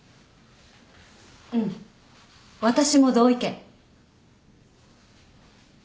うん私も同意見。